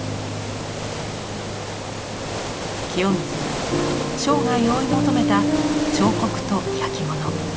清水が生涯追い求めた彫刻と焼き物。